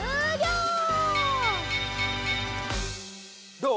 どう？